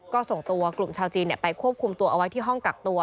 ก็ส่งตัวกลุ่มชาวจีนไปควบคุมตัวเอาไว้ที่ห้องกักตัว